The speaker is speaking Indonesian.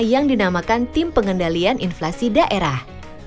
yang dinamakan tim pengendalian inflasi daerah